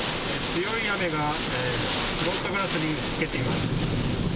強い雨がフロントガラスに打ちつけています。